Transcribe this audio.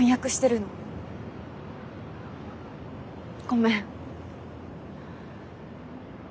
ごめん。